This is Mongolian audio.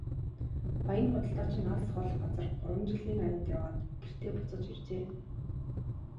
Баян худалдаачин алс хол газар гурван жилийн аянд яваад гэртээ буцаж иржээ.